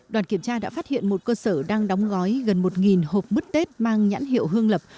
đoàn kiểm tra đã phát hiện một cơ sở đang đóng gói gần một hộp mứt tết mang nhãn hiệu hương lập